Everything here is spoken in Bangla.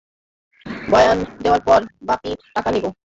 বয়ান দেওয়ার পর বাকী টাকা দিবো।